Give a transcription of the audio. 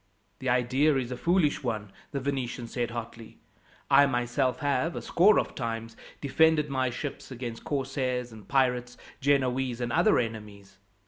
"The idea is a foolish one," the Venetian said hotly. "I myself have, a score of times, defended my ships against corsairs and pirates, Genoese, and other enemies.